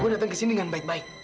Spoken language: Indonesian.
gue datang ke sini dengan baik baik